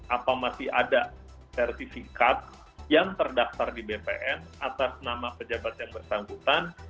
apa masih ada sertifikat yang terdaftar di bpn atas nama pejabat yang bersangkutan